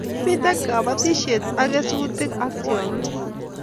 Mito batishet ab kesutik ak tiong'ik